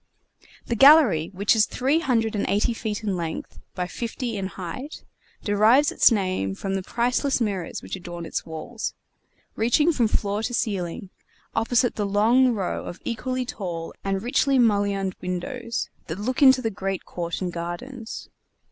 The gallery, which is three hundred and eighty feet in length by fifty in height, derives its name from the priceless mirrors which adorn its walls, reaching from floor to ceiling, opposite the long row of equally tall and richly mullioned windows that look into the great court and gardens.